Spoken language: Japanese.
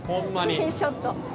スリーショット。